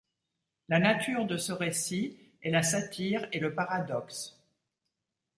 La nature de ce récit est la satire et le paradoxe.